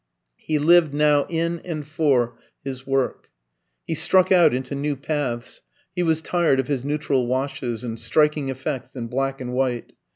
He lived now in and for his work. He struck out into new paths; he was tired of his neutral washes, and striking effects in black and white.